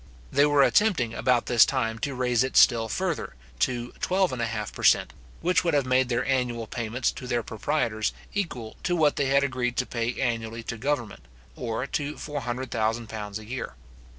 They were attempting about this time to raise it still further, to twelve and a half per cent., which would have made their annual payments to their proprietors equal to what they had agreed to pay annually to government, or to £400,000 a year.